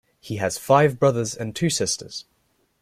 He has five brothers and two sisters.